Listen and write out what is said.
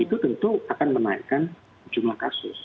itu tentu akan menaikkan jumlah kasus